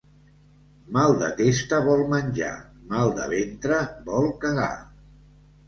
Mal de testa vol menjar, mal de ventre vol cagar.